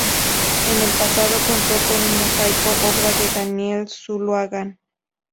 En el pasado contó con un mosaico obra de Daniel Zuloaga.